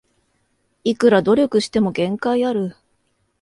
いくら努力しても限界ある